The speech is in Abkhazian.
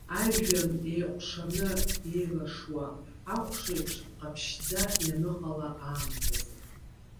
Ажәҩан еиҟәшаны, иеилашуа ахәшеиԥш, иҟаԥшьӡа ианыҟала аамҭазы.